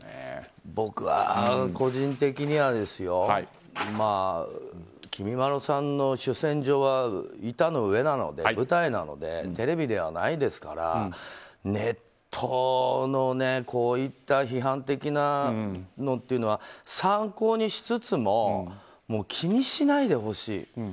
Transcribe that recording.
僕は個人的にはきみまろさんの主戦場は板の上なので、舞台なのでテレビではないですからネットのこういった批判的なのというのは参考にしつつも気にしないでほしい。